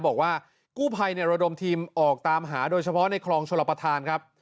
บอกว่ากู้ภัยระดมทีมออกตามหาโดยเฉพาะในคลองชลประธานครับ